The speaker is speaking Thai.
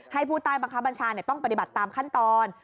ผู้ใต้บังคับบัญชาต้องปฏิบัติตามขั้นตอน